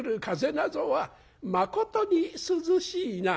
なぞはまことに涼しいな」。